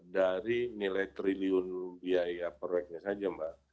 dari nilai triliun biaya perusahaan